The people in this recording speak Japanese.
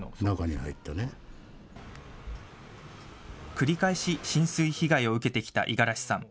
繰り返し、浸水被害を受けてきた五十嵐さん。